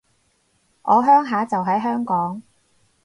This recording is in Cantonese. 我鄉下就喺香港